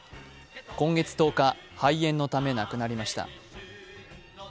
今月１０日、肺炎のため亡くなりました。